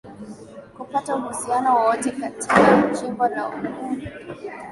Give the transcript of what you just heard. kupata uhusiano wowote kati ya jimbo la Oghuz na Ottoman